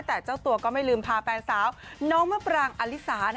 แต่เจ้าตัวก็ไม่ลืมพาแฟนสาวน้องมะปรางอลิสา